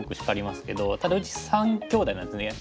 ただうち３兄弟なんですね。